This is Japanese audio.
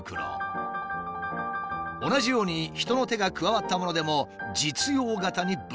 同じように人の手が加わったものでも「実用型」に分類。